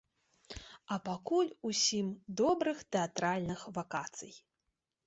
А пакуль усім добрых тэатральных вакацый!